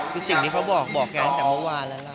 คือสิ่งที่เขาบอกแกตั้งแต่เมื่อวานแล้วล่ะ